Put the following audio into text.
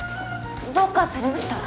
どうかされました？